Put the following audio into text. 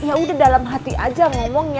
ya sudah dalam hati saja ngomong ya